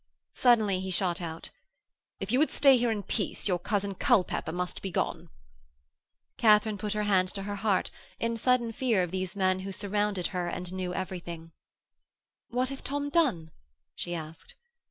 Suddenly he shot out: 'If you would stay here in peace your cousin Culpepper must begone.' Katharine put her hand to her heart in sudden fear of these men who surrounded her and knew everything. 'What hath Tom done?' she asked.